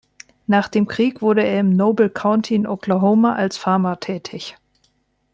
Nach dem Krieg wurde er im Noble County in Oklahoma als Farmer tätig.